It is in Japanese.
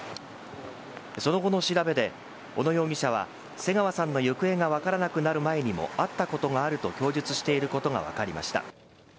その後の調べで小野容疑者は瀬川さんの行方が分からなくなる前にも会ったことがあると供述していることが分かりました。